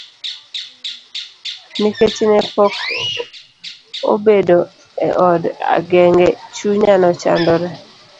Nikech ne pok obedo e od ang'enge, chunye nechandore.